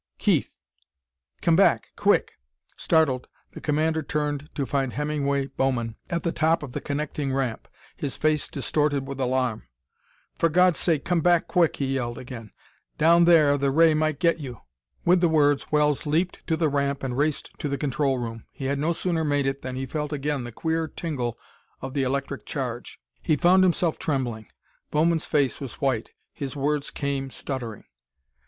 "Keith! Come back, quick!" Startled, the commander turned to find Hemingway Bowman at the top of the connecting ramp, his face distorted with alarm. "For God's sake, come back quick!" he yelled again. "Down there the ray might get you!" With the words, Wells leaped to the ramp and raced to the control room. He had no sooner made it than he felt again the queer tingle of the electric charge. He found himself trembling. Bowman's face was white. His words came stuttering.